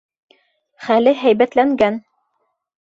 — Хәле һәйбәтләнгән.